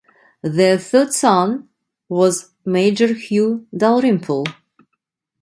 Their third son was Major Hew Dalrymple.